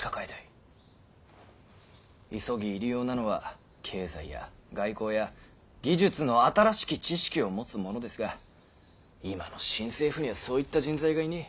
急ぎ入り用なのは経済や外交や技術の新しき知識を持つ者ですが今の新政府にはそういった人材がいねぇ。